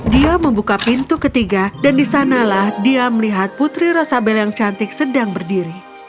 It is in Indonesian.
dia membuka pintu ketiga dan disanalah dia melihat putri rosabel yang cantik sedang berdiri